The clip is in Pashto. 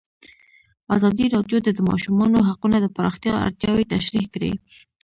ازادي راډیو د د ماشومانو حقونه د پراختیا اړتیاوې تشریح کړي.